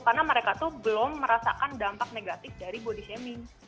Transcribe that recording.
karena mereka tuh belum merasakan dampak negatif dari body shaming